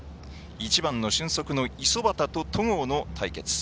１番の俊足の五十幡と戸郷の対決。